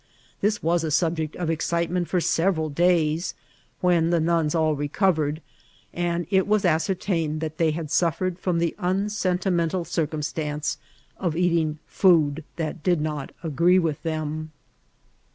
This was a subject of ex eitement for several days, when the nuns all recovered, and it was ascertained that they had efuflfered from the unsentimental circumstance of eating food that did not igree with them.